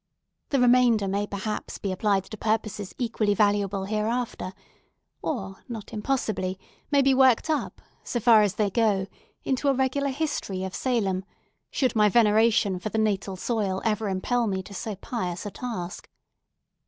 The remainder may perhaps be applied to purposes equally valuable hereafter, or not impossibly may be worked up, so far as they go, into a regular history of Salem, should my veneration for the natal soil ever impel me to so pious a task.